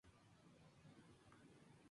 España Romana".